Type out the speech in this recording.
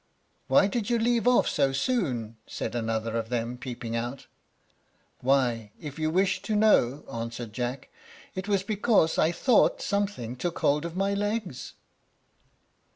"Why did you leave off so soon?" said another of them, peeping out. "Why, if you wish to know," answered Jack, "it was because I thought something took hold of my legs."